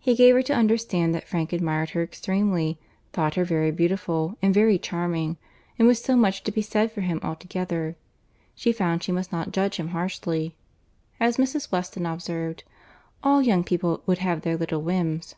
He gave her to understand that Frank admired her extremely—thought her very beautiful and very charming; and with so much to be said for him altogether, she found she must not judge him harshly. As Mrs. Weston observed, "all young people would have their little whims."